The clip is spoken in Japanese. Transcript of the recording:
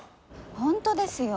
本当ですよ！